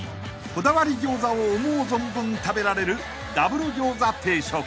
［こだわり餃子を思う存分食べられる］